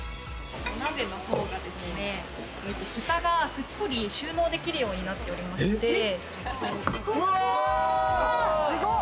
お鍋の方が下がすっぽり収納できるようになっておりまして。